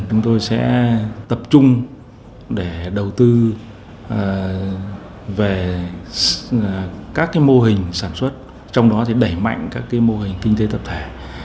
chúng tôi sẽ tập trung để đầu tư về các mô hình sản xuất trong đó đẩy mạnh các mô hình kinh tế tập thể